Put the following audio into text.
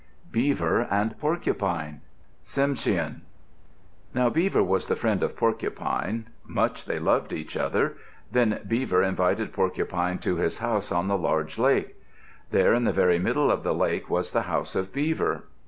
BEAVER AND PORCUPINE Tsimshian Now Beaver was the friend of Porcupine. Much they loved each other. Then Beaver invited Porcupine to his house on the large lake. There in the very middle of the lake was the house of Beaver.